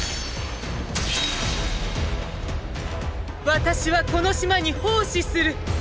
私はこの島に奉仕する。